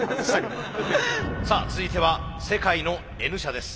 さあ続いては世界のＮ社です。